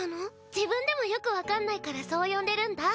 自分でもよく分かんないからそう呼んでるんだ。